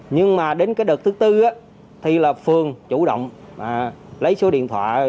nhưng mà đến cái đợt thứ tư thì là phường chủ động lấy số điện thoại